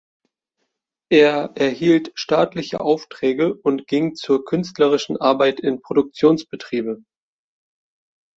Er erhielt staatliche Aufträge und ging zur künstlerischen Arbeit in Produktionsbetriebe.